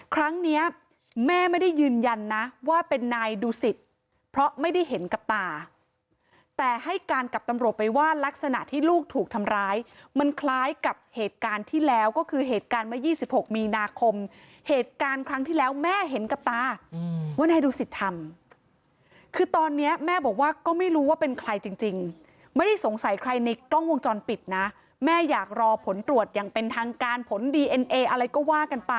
ครั้งนี้แม่ไม่ได้ยืนยันนะว่าเป็นนายดูสิทธิ์เพราะไม่ได้เห็นกับตาแต่ให้การกลับตำรวจไปว่ารักษณะที่ลูกถูกทำร้ายมันคล้ายกับเหตุการณ์ที่แล้วก็คือเหตุการณ์มา๒๖มีนาคมเหตุการณ์ครั้งที่แล้วแม่เห็นกับตาว่านายดูสิทธิ์ทำคือตอนนี้แม่บอกว่าก็ไม่รู้ว่าเป็นใครจริงไม่ได้สงสัยใครในกล้องว